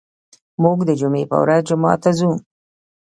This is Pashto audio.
موږ د جمعې په ورځ جومات ته ځو.